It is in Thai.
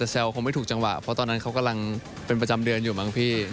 แซวคงไม่ถูกจังหวะเพราะตอนนั้นเขากำลังเป็นประจำเดือนอยู่มั้งพี่